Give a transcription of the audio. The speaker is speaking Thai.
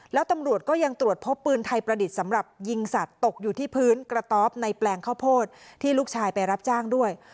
แล้วตำรวจก็ยังตรวจพบปืนไทยประดิษฐ์สำหรับยิงสัตว์ตกอยู่ที่พื้นกระต๊อบในแปลงข้าวโพดที่ลูกชายไปรับจ้างด้วย